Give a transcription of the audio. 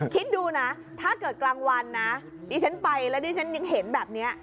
คิดดูนะถ้าเกิดกลางวันนะดิฉันไปแล้วดิฉันยังเห็นแบบนี้